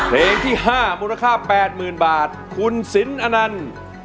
เพลงที่๕มูลค่า๘๐๐๐บาทคุณสินอนันต์